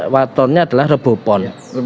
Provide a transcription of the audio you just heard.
watornya adalah rebuh pon